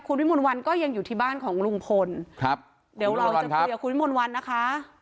คุณวิมนต์วันก็ยังอยู่ที่บ้านของลุงพลครับเดี๋ยวเราจะคุยกับคุณวิมนต์วันนะคะ